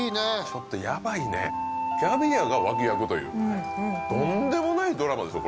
ちょっとヤバいねキャビアが脇役というとんでもないドラマですよ